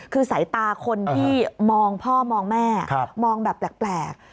คือสายตาคนที่มองพ่อมองแม่มองแบบแปลก